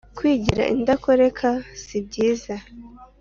kwigira indakoreka si byiza